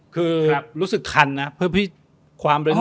คือรู้สึกคันนะเพราะพี่ความรู้สึก